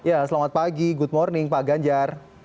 ya selamat pagi good morning pak ganjar